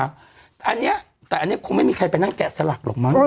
ถูกต้องไหมคะอันเนี้ยแต่อันเนี้ยคงไม่มีใครไปนั่งแกะสลักหรอกม้อน